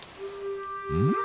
うん？